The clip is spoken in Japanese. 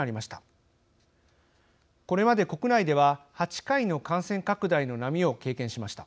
これまで国内では８回の感染拡大の波を経験しました。